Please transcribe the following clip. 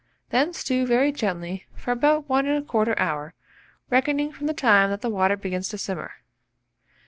Then stew very gently for about 1 1/4 hour, reckoning from the time that the water begins to simmer.